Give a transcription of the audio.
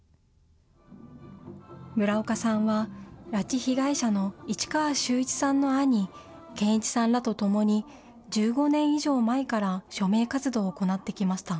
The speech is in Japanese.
村岡さんは、拉致被害者の市川修一さんの兄、健一さんらと共に、１５年以上前から署名活動を行ってきました。